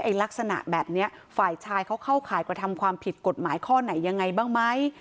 ไอรกสนาแบบเนี้ยฝ่ายชายเขาเข้าขายแบบว่าทำความผิดกฏหมายข้อไหนยังไงบ้างไหม